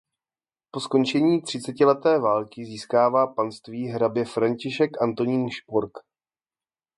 Po skončení třicetileté války získává panství hrabě František Antonín Špork.